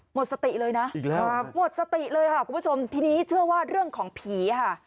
หมดสติเลยนะอีกแล้วหมดสติเลยค่ะคุณผู้ชมทีนี้เชื่อว่าเรื่องของผีค่ะ